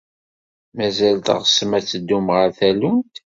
Mazal teɣsem ad teddum ɣer tallunt?